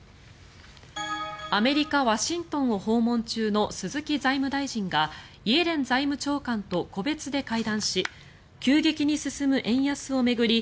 アメリカ・ワシントンを訪問中の鈴木財務大臣がイエレン財務長官と個別で会談し急激に進む円安を巡り